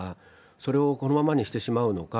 それをこのままにしてしまうのか。